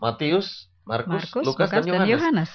matius markus lukas dan yohanes